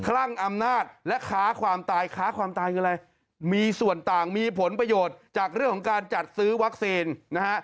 เรื่องของการจัดซื้อวัคซีนนะฮะ